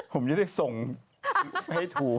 ผมจะได้ส่งให้ถูก